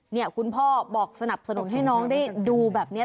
เนี่ยคุณพ่อบอกสนับสนุนให้น้องได้ดูแบบนี้